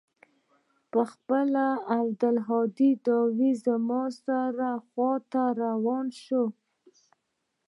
پخپله له عبدالهادي سره زما خوا ته راروان سو.